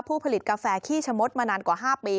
ผลิตกาแฟขี้ชะมดมานานกว่า๕ปี